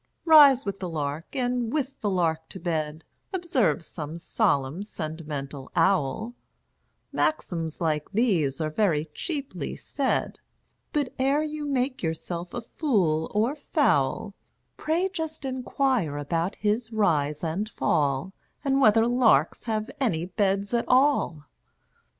"Rise with the lark, and with the lark to bed," Observes some solemn, sentimental owl; Maxims like these are very cheaply said; But, ere you make yourself a fool or fowl, Pray just inquire about his rise and fall, And whether larks have any beds at all!